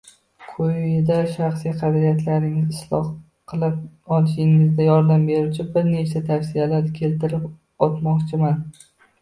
Quyida shaxsiy qadriyatlaringizni isloh qilib olishingizda yordam beruvchi bir nechta tavsiyalarni keltirib o’tmoqchiman